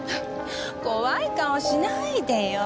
怖い顔しないでよ。